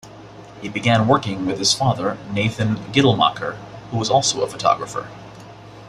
He began working with his father, Nathan Gittelmacher, who was also a photographer.